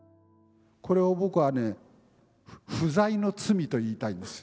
これを僕はね「不在の罪」と言いたいんです。